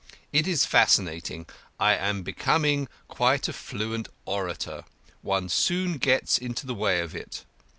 It is fascinating.... I am becoming quite a fluent orator. One soon gets into the way of it.